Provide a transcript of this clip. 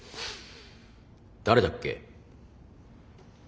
誰だっけ？